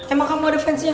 emang kamu ada fansnya